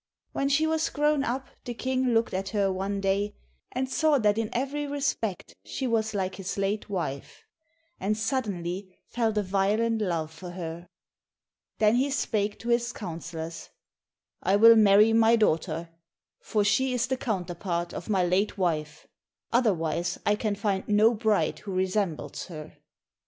When she was grown up the King looked at her one day, and saw that in every respect she was like his late wife, and suddenly felt a violent love for her. Then he spake to his councillors, "I will marry my daughter, for she is the counterpart of my late wife, otherwise I can find no bride who resembles her."